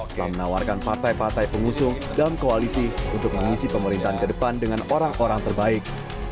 telah menawarkan partai partai pengusung dalam koalisi untuk mengisi pemerintahan ke depan dengan orang orang terbaik